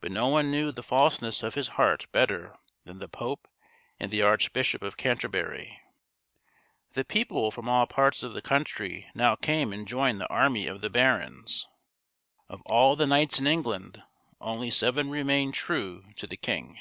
But no one knew the false ness of his heart better than the Pope and the Archbishop of Canterbury. KING JOHN AND THE MAGNA CHARTA 12 1 The people from all parts of the country now came and joined the army of the barons. Of all the knights in England, only seven remained true to the king.